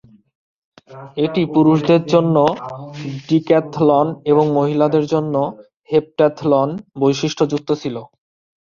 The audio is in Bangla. এটি পুরুষদের জন্য ডিক্যাথলন এবং মহিলাদের জন্য হেপটাথলন বৈশিষ্ট্যযুক্ত ছিল।